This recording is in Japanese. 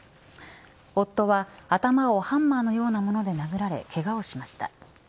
夫は頭をハンマーのような物で殴られけがをしました。